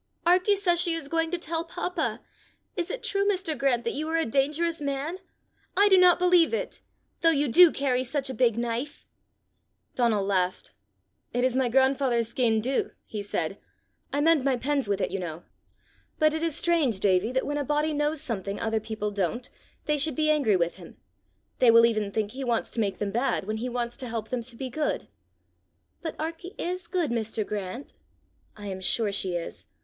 "Arkie says she is going to tell papa. Is it true, Mr. Grant, that you are a dangerous man? I do not believe it though you do carry such a big knife." Donal laughed. "It is my grandfather's skean dhu," he said: "I mend my pens with it, you know! But it is strange, Davie, that, when a body knows something other people don't, they should be angry with him! They will even think he wants to make them bad when he wants to help them to be good!" "But Arkie is good, Mr. Grant!" "I am sure she is.